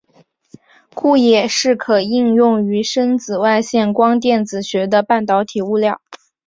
故也是可应用于深紫外线光电子学的半导体物料。